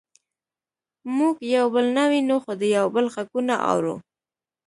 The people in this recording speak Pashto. موږ یو بل نه وینو خو د یو بل غږونه اورو